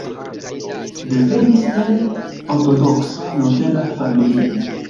Devenis el ortodoksa nobela familio.